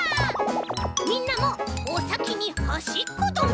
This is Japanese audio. みんなも「お先にはしっこどめ！」